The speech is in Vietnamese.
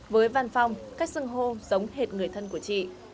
với văn phong cách sưng hô giống hệt người thân của chị